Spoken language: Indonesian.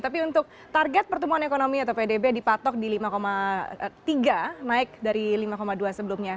jadi target pertumbuhan ekonomi atau pdb dipatok di lima tiga naik dari lima dua sebelumnya